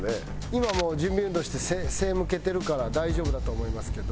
今もう準備運動して背向けてるから大丈夫だと思いますけど。